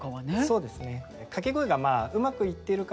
そうですね。